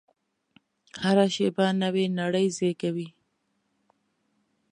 هره شېبه نوې نړۍ زېږوي.